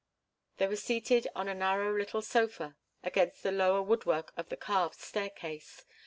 They were seated on a narrow little sofa against the lower woodwork of the carved staircase.